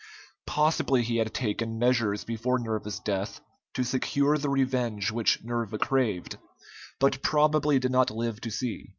Possibly he had taken measures before Nerva's death to secure the revenge which Nerva craved, but probably did not live to see.